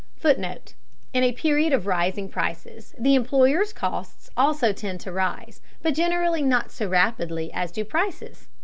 [Footnote: In a period of rising prices, the employer's costs also tend to rise, but generally not so rapidly as do prices.